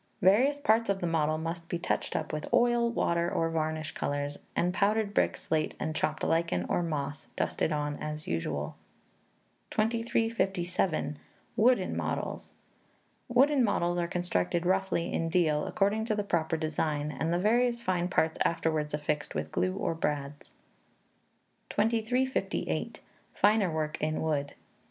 Various parts of the model must be touched up with oil, water, or varnish colours; and powdered brick, slate, and chopped lichen, or moss, dusted on as usual. 2357. Wooden Models. Wooden models are constructed roughly in deal, according to the proper design, and the various fine parts afterwards affixed with glue or brads. 2358. Finer Work in Wood.